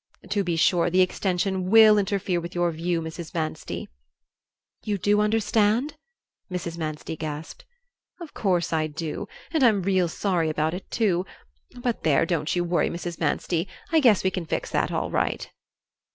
To be sure, the extension WILL interfere with your view, Mrs. Manstey." "You do understand?" Mrs. Manstey gasped. "Of course I do. And I'm real sorry about it, too. But there, don't you worry, Mrs. Manstey. I guess we can fix that all right."